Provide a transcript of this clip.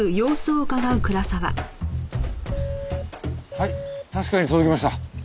はい確かに届きました。